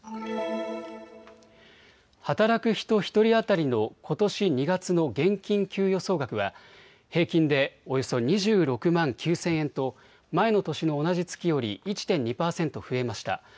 働く人１人当たりのことし２月の現金給与総額は平均でおよそ２６万９０００円と前の年の同じ月より１．２％増えました。